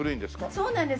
そうなんです。